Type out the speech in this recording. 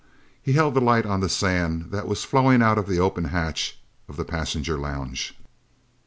He held the light on the sand that was flowing out of the open hatch of the passenger lounge.